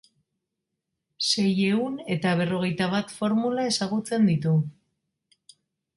Seiehun eta berrogeita bat formula ezagutzen ditu.